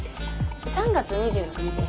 ３月２６日です。